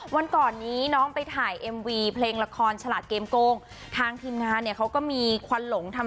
วันก่อนนี้น้องไปถ่ายเอ็มวีเพลงละครฉลาดเกมโกงทางทีมงานเนี่ยเขาก็มีควันหลงทำ